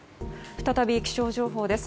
再び気象情報です。